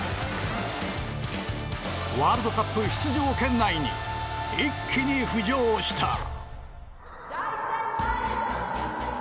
ワールドカップ出場圏内に一気に浮上した。